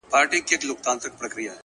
د هيندارو يوه لار کي يې ويده کړم!